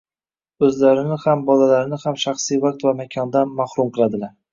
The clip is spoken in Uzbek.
o‘zlarini ham bolalarini ham shaxsiy vaqt va makondan mahrum qiladilar.